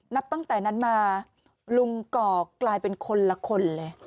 นับตั้งแต่นั้นมาลุงก่อกลายเป็นคนละคนเลย